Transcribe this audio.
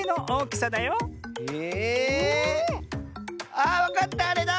ああっわかったあれだ！